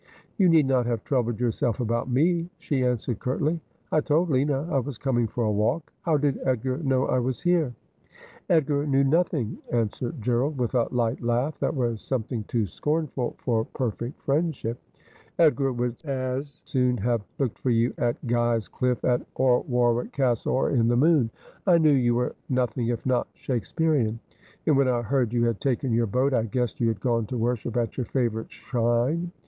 ' You need not have troubled yourself about me,' she an swered curtly. ' I told Lina I was coming for a walk. How did Edgar know I was here ?' 'Edgar knew nothing,' answered Gerald, with a light laugh that was something too scornful for perfect friendship. ' Edgar would as soon have looked for you at Guy's Cliff or Warwick ^Ay Fleth the Time, it tvol no Man Abide.' 269 Castle, or in the moon. I knew you were nothing if not Shake spearian ; and when I heard you had taken your boat I guessed you had gone to worship at your favourite shrine.